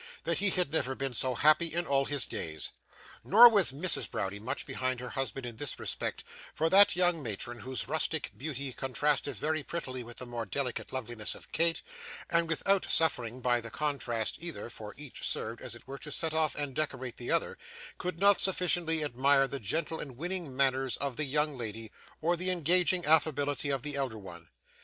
that he had never been so happy in all his days. Nor was Mrs. Browdie much behind her husband in this respect, for that young matron, whose rustic beauty contrasted very prettily with the more delicate loveliness of Kate, and without suffering by the contrast either, for each served as it were to set off and decorate the other, could not sufficiently admire the gentle and winning manners of the young lady, or the engaging affability of the elder one.